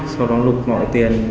sau đó lục mọi tiền